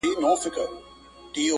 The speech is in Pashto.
ستړی ستړی راشمه